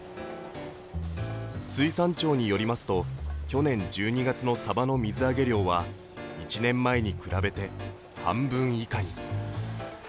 水産庁によりますと去年１２月のサバの水揚げ量は１年前に比べて半分以下に。